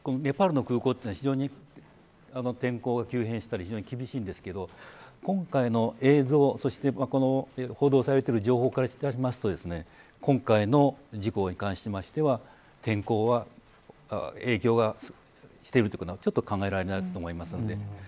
ネパールの空港というのは非常に天候が急変したり非常に厳しいんですけど今回の映像そして、この報道されている情報からしますと今回の事故に関しましては天候は影響しているというのはちょっと考えられないと思います。